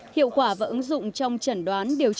hiệu quả và ứng dụng trong chẩn đoán điều trị